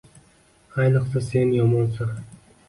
Ayniqsa sen yomonsan!